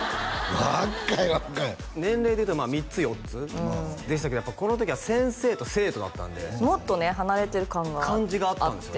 若い若い年齢でいうとまあ３つ４つでしたけどこの時は先生と生徒だったんでもっとね離れてる感があって感じがあったんですよね